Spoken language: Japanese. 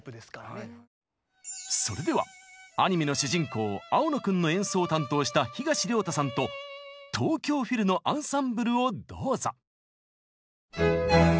それではアニメの主人公青野君の演奏を担当した東亮汰さんと東京フィルのアンサンブルをどうぞ！